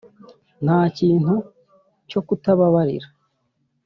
nta kintu cyo kubabarira